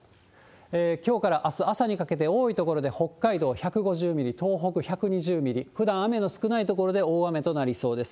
きょうからあす朝にかけて、多い所で北海道１５０ミリ、東北１２０ミリ、ふだん雨の少ない所で大雨となりそうです。